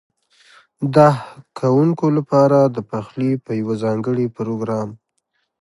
ده کوونکو لپاره د پخلي په یوه ځانګړي پروګرام